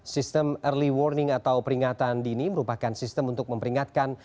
sistem early warning atau peringatan dini merupakan sistem untuk memperingatkan